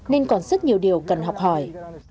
nên còn rất nhiều điều cần học hỏi